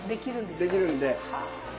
できるんで。